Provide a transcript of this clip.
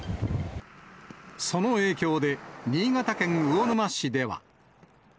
その影響で、新潟県魚沼市では。